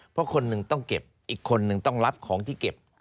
เพราะคนหนึ่งต้องเก็บอีกคนนึงต้องรับของที่เก็บ